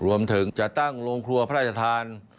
รวมถึงจะตั้งโรงครัวพระราชทาน